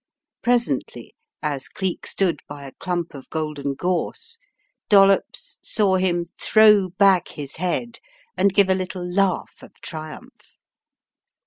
Presently, as Cleefc stood by a clump of golden gorse, Dollops saw him throw back his head and give a little laugh of triumph.